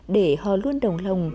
để họ luôn đồng lòng